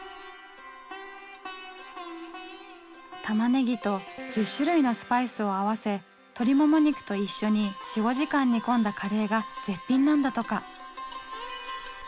タマネギと１０種類のスパイスを合わせ鶏もも肉と一緒に４５時間煮込んだカレーが絶品なんだとか。